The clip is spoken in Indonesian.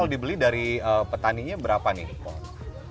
kalau dibeli dari petaninya berapa nih pot